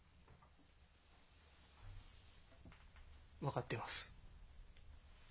分かってます。